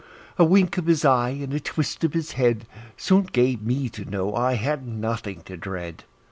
A wink of his eye, and a twist of his head, Soon gave me to know I had nothing to dread.